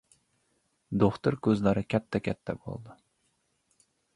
Do‘xtir ko‘zlari katta-katta bo‘ldi.